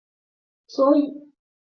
所以暴牙七先生正式登场。